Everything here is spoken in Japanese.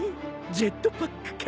ジェットパックか。